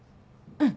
うん。